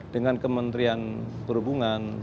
dengan kementrian perhubungan